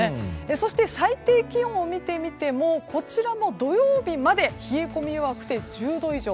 そして最低気温を見てみてもこちらも土曜日まで冷え込んで１０度以上。